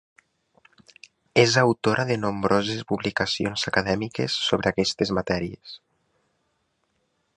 És autora de nombroses publicacions acadèmiques sobre aquestes matèries.